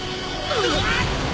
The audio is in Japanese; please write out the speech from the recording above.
うわっ！